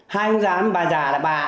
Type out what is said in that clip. hai ông già ba già là ba